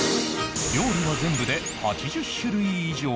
料理は全部で８０種類以上